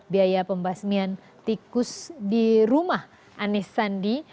biaya pembasmian tikus di rumah anies sandi